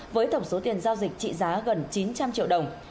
với tổng số tiền giao dịch trị giá gần chín trăm linh triệu đồng